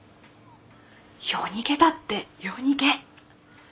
夜逃げだって夜逃げ。